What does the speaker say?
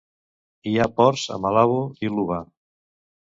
Hi ha ports a Malabo i Luba.